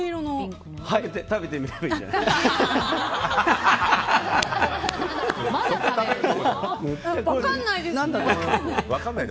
食べてみればいいじゃない。